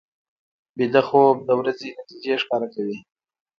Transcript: ویده خوب د ورځې نتیجې ښکاره کوي